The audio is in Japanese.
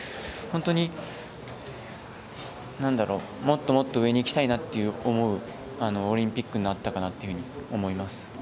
本当にもっともっと上にいきたいなって思うオリンピックになったかなっていうふうに思います。